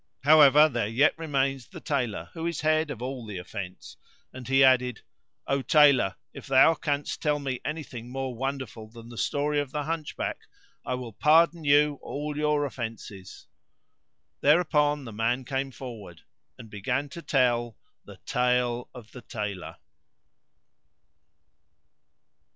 However there yet remains the Tailor who is the head of all the offence;" and he added, "O Tailor, if thou canst tell me any thing more wonderful than the story of the Hunchback, I will pardon you all your offences." Thereupon the man came forward and began to tell the Tale of the Tailor.